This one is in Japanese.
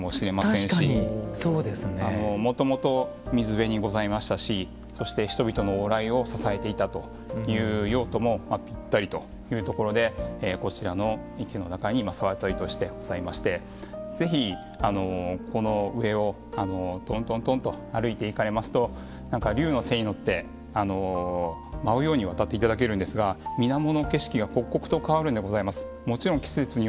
再利用のようなところがございますがＳＤＧｓの今の時代にはぴったりのなのかもしれませんしもともと水辺にございましたしそして人々の往来を支えていたという用途もぴったりというところでこちらの池の中に沢渡としてございましてぜひこの上をとんとんとん歩いていかれますとなんか龍の背に乗って舞うように渡っていただけるんですがみなもの景色が刻々と変わるんでございます。